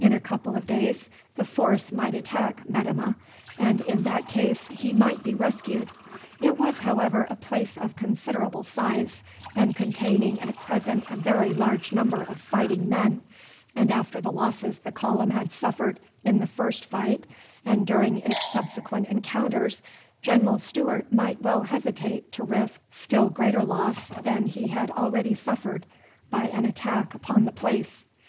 In a couple of days the force might attack Metemmeh, and in that case he might be rescued. It was, however, a place of considerable size, and containing at present a very large number of fighting men; and after the losses the column had suffered in the first fight and during its subsequent encounters, General Stewart might well hesitate to risk still greater loss than he had already suffered by an attack upon the place.